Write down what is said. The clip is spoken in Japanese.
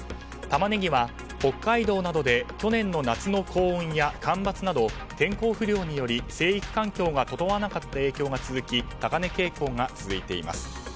タマネギは、北海道などで去年の夏の高温や干ばつなど天候不良により生育環境が整わなかった影響が続き高値傾向が続いています。